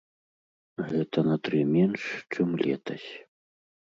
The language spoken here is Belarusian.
Гэта на тры менш, чым летась.